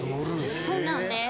そうなんです。